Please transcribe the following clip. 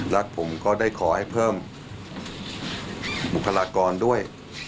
และผมก็ได้ขอให้เพิ่มบุคลากรด้วย